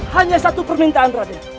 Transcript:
hanya satu permintaan rade